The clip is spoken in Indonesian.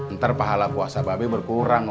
ntar pahala puasa babe berkurang